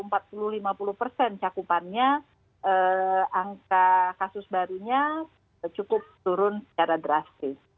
cakupannya angka kasus barunya cukup turun secara drastis